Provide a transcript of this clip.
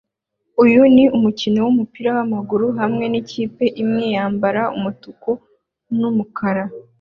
Uyu ni umukino wumupira wamaguru hamwe nikipe imwe yambaye umutuku numukara